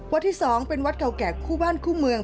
ที่๒เป็นวัดเก่าแก่คู่บ้านคู่เมือง